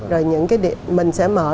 rồi mình sẽ mở